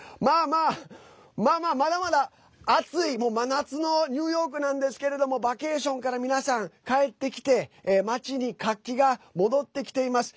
まあまあ、まだまだ暑い、真夏のニューヨークなんですけれどもバケーションから皆さん帰ってきて街に活気が戻ってきています。